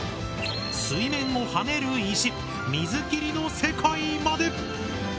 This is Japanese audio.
水面を跳ねる石水切りの世界まで！